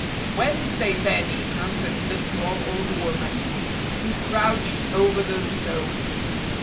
"Wednesday, Benny," answered the small old woman who crouched over the stove.